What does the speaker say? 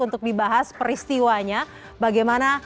untuk dibahas peristiwanya bagaimana